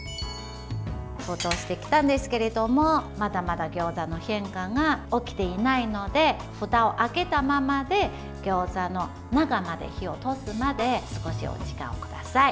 沸騰してきたんですけれどもまだまだギョーザの変化が起きていないのでふたを開けたままでギョーザの中まで火を通すまで少し、お時間をください。